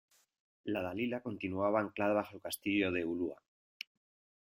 " la Dalila " continuaba anclada bajo el Castillo de Ulua ,